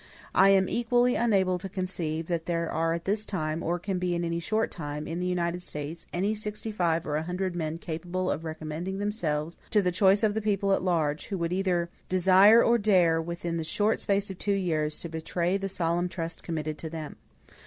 I am equally unable to conceive that there are at this time, or can be in any short time, in the United States, any sixty five or a hundred men capable of recommending themselves to the choice of the people at large, who would either desire or dare, within the short space of two years, to betray the solemn trust committed to them.